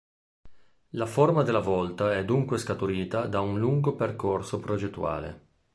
La forma della volta è dunque scaturita da un lungo percorso progettuale.